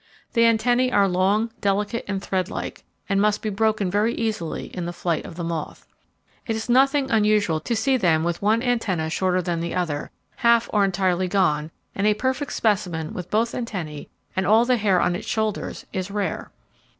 The antennae are long, delicate and threadlike, and must be broken very easily in the flight of the moth. It is nothing unusual to see them with one antenna shorter than the other, half, or entirely gone; and a perfect specimen with both antennae, and all the haif on its shoulders, is rare.